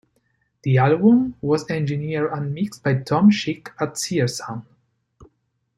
The album was engineered and mixed by Tom Schick at Sear Sound.